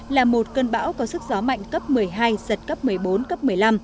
là một cơn bão có sức gió mạnh cấp một mươi hai giật cấp một mươi bốn cấp một mươi năm